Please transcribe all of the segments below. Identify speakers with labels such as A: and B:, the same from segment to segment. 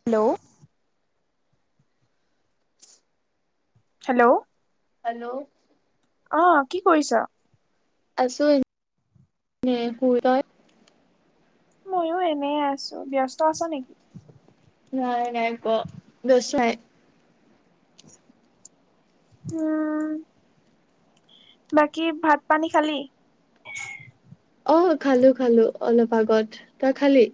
A: Hello hello!
B: Hello
A: অ কি কৰিছ?
B: আছো এনেই শুই, তই?
A: ময়ো এনে আছো। ব্যস্ত আছা নেকি?
B: নাই, নাই, ক দছ নাই।
A: উম! বাকী ভাত-পানী খালি?
B: অ খালো, খালো অলপ আগত। তই খালি?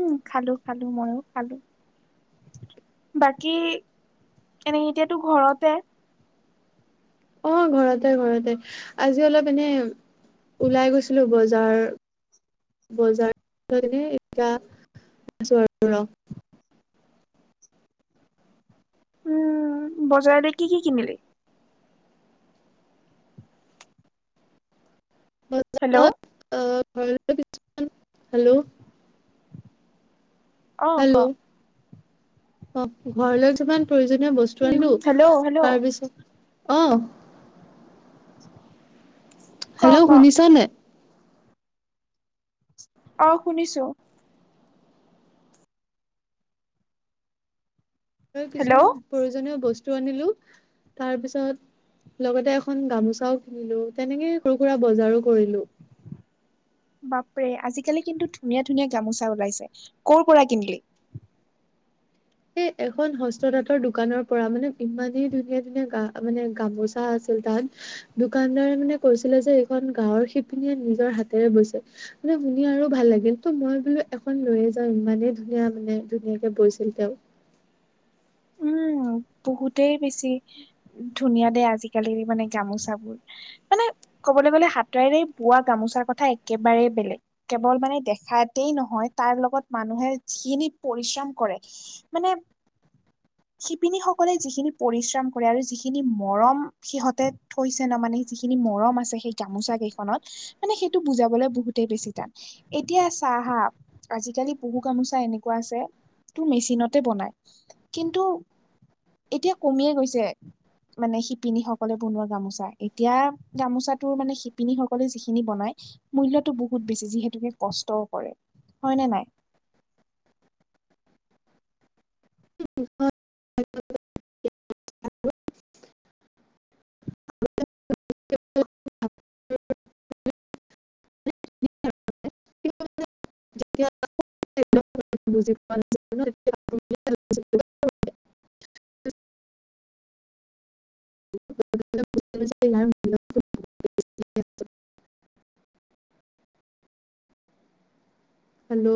A: উম! খালো খালো মইয়ো খালো। বাকী এনে এতিয়াতো ঘৰতে?
B: অ ঘৰতে, ঘৰতে, আজি অলপ এনে ওলাই গৈছিলো বজাৰ। বজাৰ, এতিয়া আছো আৰু ৰ!
A: উম! বজাৰতে কি কি কিনিলি? হেল্ল'
B: হেল্ল'
A: অ, ক
B: হেল্ল' অ ঘৰলৈ যিমান প্ৰয়োজনীয় বস্তু
A: উম
B: আনিলো।
A: হেল্ল' হেল্ল'
B: তাৰ পিছত অ,
A: [unintelligible]
B: হেল্ল!
A: ক
B: শুনিছনে?
A: অ, শুনিছোঁ।
B: ঘৰৰ
A: হেল্ল'
B: কিছুমান প্ৰয়োজনীয় বস্তু আনিলো, তাৰপিছত লগতে এখন গামোছাও কিনিলো, তেনেকে সৰু-সুৰা বজাৰো কৰিলো।
A: বাপৰে, আজিকালি কিন্তু ধুনীয়া ধুনীয়া গামোচা ওলাইছে। কৰ পৰা কিনিলি?
B: এ এখন হস্ত তাঁতৰ দোকানৰ পৰা মানে ইমানেই ধুনীয়া ধুনীয়া গা মানে গামোচা আছিল। তাত দোকানদাৰে মানে কৈছিলে যে- এইখন গাঁৱৰ শিপিনীয়ে নিজৰ হাতেৰে বৈছে। মানে শুনি আৰু ভাল লাগিল! ত' মই বোলো এখন লৈয়ে যাওঁ ইমানেই ধুনীয়া মানে ধুনীয়াকে বৈছিল তেওঁ।
A: উম, বহুতেই বেছি ধুনীয়া দে আজিকালি মানে গামোচাবোৰ। মানে ক'বলে গ'লে হাতেৰেই বোৱা গামোচাৰ কথা একেবাৰেই বেলেগ। কেৱল মানে দেখাতেই নহয়, তাৰ লগত মানুহে যিখিনি পৰিশ্ৰম কৰে মানে শিপিনীসকলে যিখিনি পৰিশ্ৰম কৰে, আৰু যিখিনি মৰম সিহঁতে থৈছে ন মানে যিখিনি মৰম আছে, সেই গামোচা কেইখনত মানে সেইটো বুজাবলে বহুতেই বেছি টান। এতিয়া চা হা আজিকালি বহু গামোচা এনেকুৱা আছে তো মেচিনতে বনাই! কিন্তু এতিয়া কমিয়ে গৈছে। মানে শিপিনীসকলে বনোৱা গামোচা, এতিয়া গামোচাটো মানে শিপিনীসকলে যিখিনি বনাই মূল্যতো বহুত বেছি যিহেতুকে কষ্টও কৰে। হয় নে নাই?
B: [unintelligible]
A: [inaudible] [inaudible]
B: [unintelligible] [unintelligible] হেল্ল'